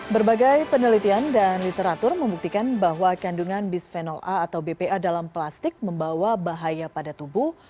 berbagai penelitian dan literatur membuktikan bahwa kandungan bisphenol a atau bpa dalam plastik membawa bahaya pada tubuh